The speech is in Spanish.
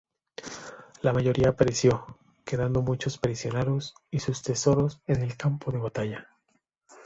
La mayoría pereció, quedando muchos prisioneros y sus tesoros en el campo de batalla.